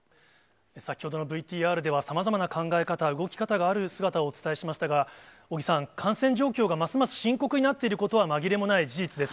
先ほどのＶＴＲでは、さまざまな考え方、動き方がある姿をお伝えしましたが、尾木さん、感染状況がますます深刻になっていることは紛れもない事実です。